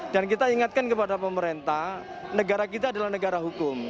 dan kita ingatkan kepada pemerintah negara kita adalah negara hukum